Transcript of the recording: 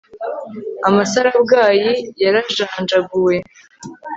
amasarabwayi yarajanjaguwe